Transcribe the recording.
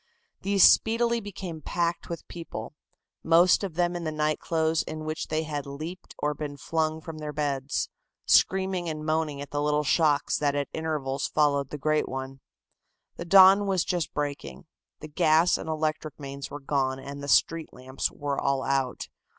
These speedily became packed with people, most of them in the night clothes in which they had leaped or been flung from their beds, screaming and moaning at the little shocks that at intervals followed the great one. The dawn was just breaking. The gas and electric mains were gone and the street lamps were all out.